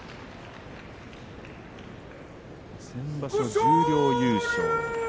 先場所、十両優勝。